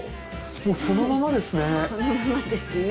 もうそのままですね。